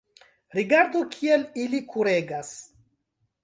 rigardu, kiel ili kuregas.